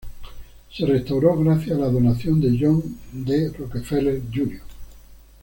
Se restauró gracias a la donación de John D. Rockefeller Jr.